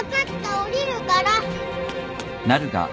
下りるから！